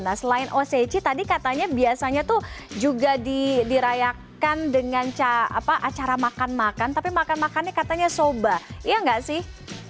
nah selain osechi tadi katanya biasanya tuh juga dirayakan dengan acara makan makan tapi makan makannya katanya soba iya nggak sih